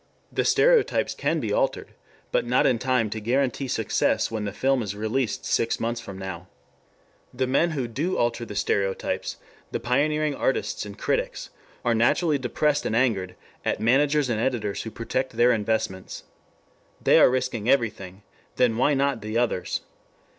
The stereotypes can be altered, but not in time to guarantee success when the film is released six months from now. The men who do alter the stereotypes, the pioneering artists and critics, are naturally depressed and angered at managers and editors who protect their investments. They are risking everything, then why not the others?